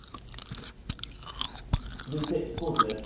続いてスポーツです。